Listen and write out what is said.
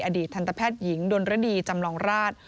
อดีตทันตแพทย์หญิงดนรดีจำลองราช